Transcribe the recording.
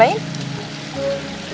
yang ini belum